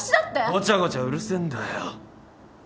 ごちゃごちゃうるせえんだよ。